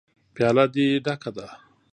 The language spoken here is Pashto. _پياله دې ډکه ده.